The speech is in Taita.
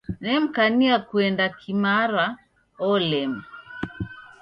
Nemkania kuenda kimara, olema.